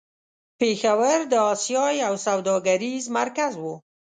پېښور د آسيا يو سوداګريز مرکز و.